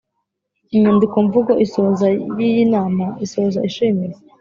Inyandikomvugo isoza yiy’inama isoza ishimira